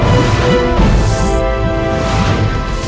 selepas itu dia berubah menjadi merah